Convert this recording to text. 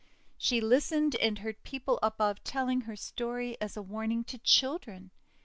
She listened and heard people above telling her story as a warning to children.